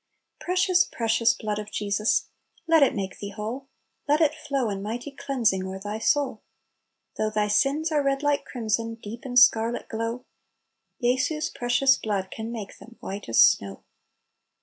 •• Precious, precious blood of Jesus, Let it make thee whole ! Let it flow in mighty cleansing O'er thy soul. "Though thy sins are red like crimson, Deep in scarlet glow, Jesu's precious blood can make them White as snow."